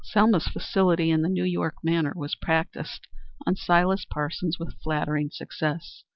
Selma's facility in the New York manner was practised on Silas Parsons with flattering success.